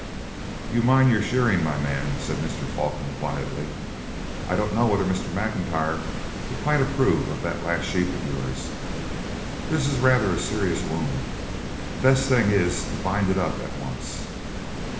'You mind your shearing, my man,' said Mr. Falkland quietly. 'I don't know whether Mr. M'Intyre will quite approve of that last sheep of yours. This is rather a serious wound. The best thing is to bind it up at once.'